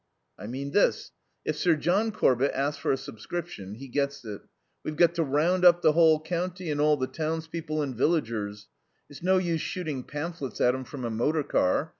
"I mean this. If Sir John Corbett asks for a subscription he gets it. We've got to round up the whole county and all the townspeople and villagers. It's no use shooting pamphlets at 'em from a motor car.